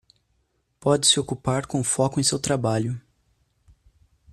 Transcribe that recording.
Pode-se ocupar com foco em seu trabalho.